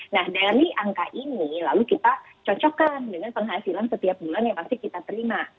nah dari angka ini lalu kita cocokkan dengan penghasilan setiap bulan yang pasti kita terima